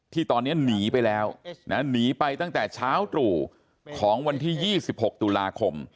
ที่ตอนนี้หนีไปแล้วหนีไปตั้งแต่เช้าตรู่ของวันที่๒๖ตุลาคม